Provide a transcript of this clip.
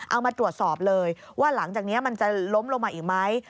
เอามาตรวจสอบเลยว่าหลังจากนี้มันจะล้มลงมาอีกไหม